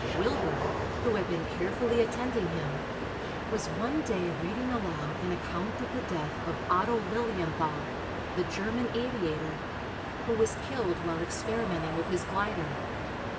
Wilbur, who had been carefully attending him, was one day reading aloud an account of the death of Otto Lilienthal, the German aviator, who was killed while experimenting with his glider.